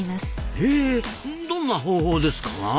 へえどんな方法ですかな？